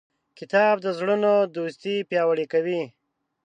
کتاب د زړونو دوستي پیاوړې کوي.